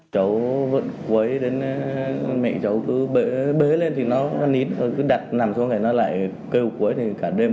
cháu vẫn quấy đến mẹ cháu cứ bế lên thì nó nín cứ đặt nằm xuống cái nó lại kêu quấy thì cả đêm